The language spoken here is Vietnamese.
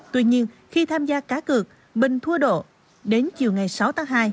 tuy nhiên khi tham gia cá cược bình thua độ đến chiều ngày sáu tháng hai